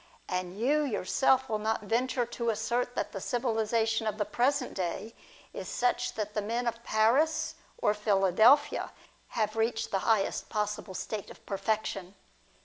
And you yourself will not venture to assert that the civilisation of the present day is such that the men of Paris or Philadelphia have reached the highest possible state of perfection.